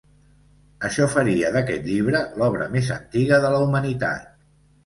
Això faria d'aquest llibre l'obra més antiga de la Humanitat.